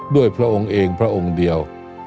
พระองค์เองพระองค์เดียว